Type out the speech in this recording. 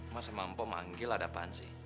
emak sama empok manggil ada apaan sih